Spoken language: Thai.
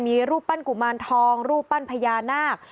มีรูปปั้นกุมารทองรูปปั้นพญานาค